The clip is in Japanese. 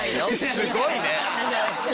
すっごいね。